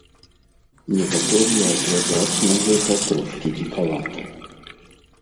Некаторыя глядзяць на гэта трошкі дзікавата.